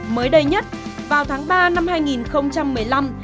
mới đây nhất vào tháng ba năm hai nghìn một mươi năm